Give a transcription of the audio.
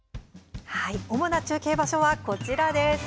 主な中継場所はこちらです。